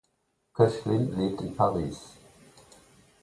Koechlin lebt in Paris.